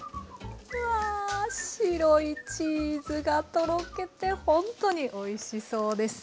うわ白いチーズがとろけてほんっとにおいしそうです。